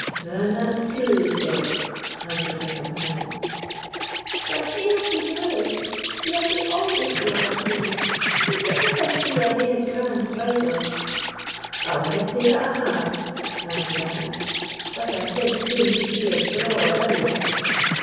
"And that's truly said," answered her companion. "But, Aislie Gourlay, ye're the auldest o' us three—did ye ever see a mair grand bridal?" "I winna say that I have," answered the hag; "but I think soon to see as braw a burial."